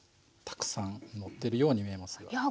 たくさんのってるように見えますが。